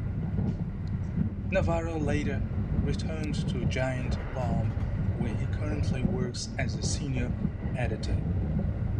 Navarro later returned to Giant Bomb, where he currently works as a Senior Editor.